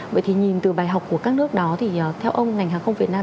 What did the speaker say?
vậy thì nhìn từ bài học của các nước đó thì theo ông ngành hàng không việt nam